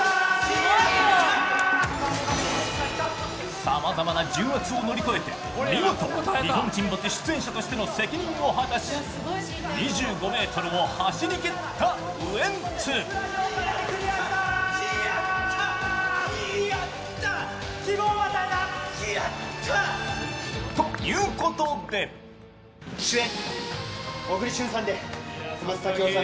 さまざまな重圧を乗り越えて、見事「日本沈没」出演者としての責任を果たし、２５ｍを走りきったウエンツ。ということで主演、小栗旬さんで小松左京さん